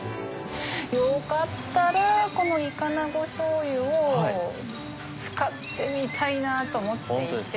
よかったらこのいかなご醤油を使ってみたいなと思っていて。